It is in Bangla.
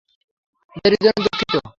দেরির জন্য দুঃখিত।